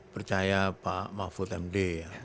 percaya pak mahfud md